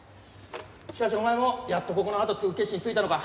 しかしお前もやっとここの跡を継ぐ決心ついたのか。